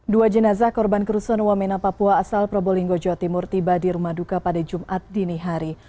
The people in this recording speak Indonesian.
dua jenazah korban kerusuhan wamena papua asal probolinggo jawa timur tiba di rumah duka pada jumat dini hari